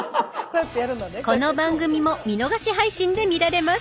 この番組も見逃し配信で見られます。